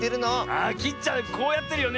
あきっちゃんこうやってるよね。